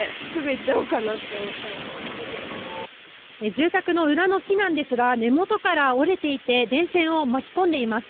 住宅の裏の木なんですが根元から折れていて電線を巻き込んでいます。